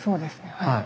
はい。